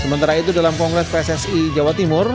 sementara itu dalam kongres pssi jawa timur